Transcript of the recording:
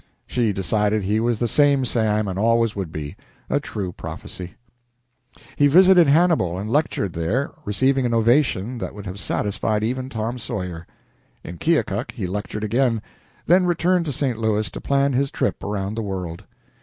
She decided he was the same Sam and always would be a true prophecy. He visited Hannibal and lectured there, receiving an ovation that would have satisfied even Tom Sawyer. In Keokuk he lectured again, then returned to St. Louis to plan his trip around the world.